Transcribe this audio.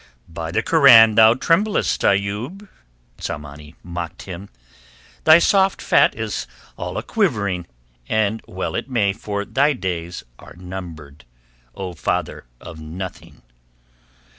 "By the Koran thou tremblest, Ayoub!" Tsamanni mocked him. "Thy soft fat is all a quivering; and well it may, for thy days are numbered, O father of nothing."